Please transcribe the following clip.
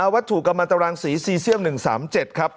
วัตถุกำลังตรังสีซีเซียม๑๓๗ครับ